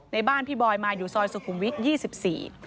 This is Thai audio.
ในบ้านพี่บอยมาอยู่ซอยสุขุมวิทยี่สิบสี่